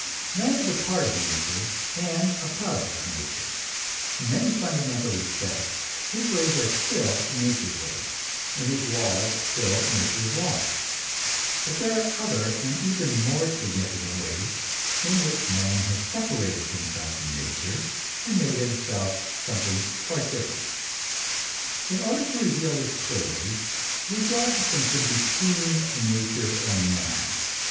Man is a part of nature and a product of nature; in many fundamental respects his ways are still nature's ways and his laws still nature's laws. But there are other and even more significant ways in which man has separated himself from nature and made himself something quite different. In order to reveal this clearly, we draw a distinction between nature and man.